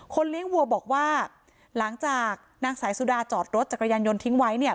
เลี้ยงวัวบอกว่าหลังจากนางสายสุดาจอดรถจักรยานยนต์ทิ้งไว้เนี่ย